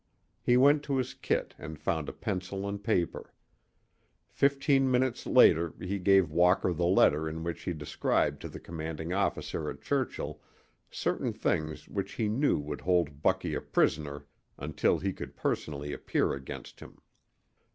He went to his kit and found a pencil and paper. Fifteen minutes later he gave Walker the letter in which he described to the commanding officer at Churchill certain things which he knew would hold Bucky a prisoner until he could personally appear against him.